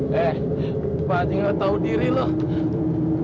gue lagi nggak tahu diri loh